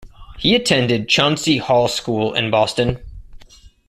He attended Chauncy Hall School in Boston.